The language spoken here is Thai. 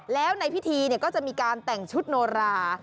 แล้วในพิธีก็จะมีการแต่งชุดโนรา